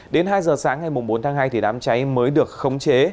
đến hai giờ sáng ngày bốn tháng hai thì đám cháy mới được khống chế